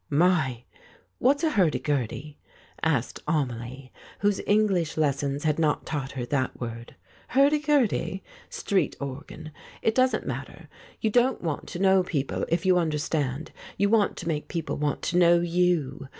"My! What's a hurdy gurdy?" asked Amelie, whose English lessons had not taught her that word. "Hurdy gurdy? Street organ. It doesn't matter. You don't want to know people, if you understand; you want to make people want to know you.